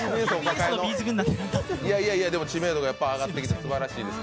いやいや、でも知名度が上がってきて、すばらしいです。